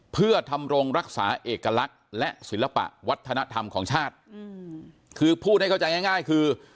เพื่อทำรงรักษาเอกลักษณ์และศิลปะวัฒนธรรมของชาติคือพูดให้เข้าใจง่ายง่ายคือ